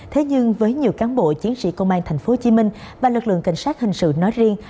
thế nhưng với nhiều cán bộ chiến sĩ công an tp hcm và lực lượng cảnh sát hình sự nói riêng